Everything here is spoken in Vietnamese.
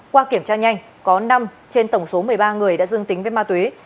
qua kiểm tra nhanh có năm trên tổng số một mươi ba người đã dương tính với ma túy